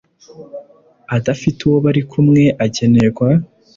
udafite uwo bari kumwe agenerwa